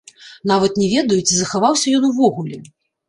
Нават не ведаю, ці захаваўся ён увогуле.